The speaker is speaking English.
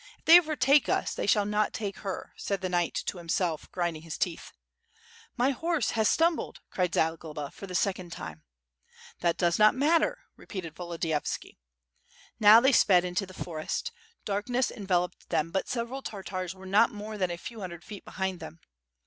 "If they overtake us, they shall not take her," said the knight to himself, grinding his teeth. "My horse has stumbled," cried Zagloba for the second time." "That does not matter!" repeated Volodiyovski. Now they sped into tHe forest. Darkness enveloped them, but several Tartars were not more than a few hundred feet behind them.